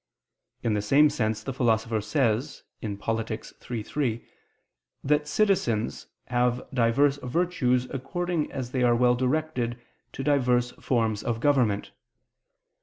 In the same sense, the Philosopher says (Polit. iii, 3) that citizens have diverse virtues according as they are well directed to diverse forms of government.